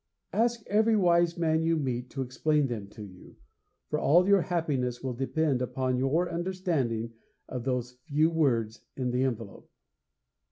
Ask every wise man you meet to explain them to you, for all your happiness will depend upon your understanding of those few words in the envelope.'